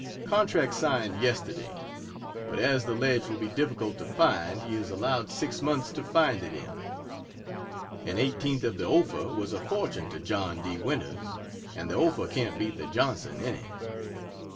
Contract signed yesterday. But as the ledge will be difficult to find he is allowed six months to find it in. An eighteenth of the Ophir was a fortune to John D. Winters and the Ophir can't beat the Johnson any.....